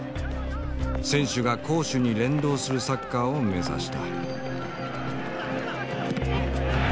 選手が攻守に連動するサッカーを目指した。